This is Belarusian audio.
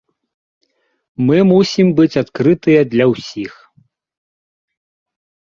Мы мусім быць адкрытыя для ўсіх.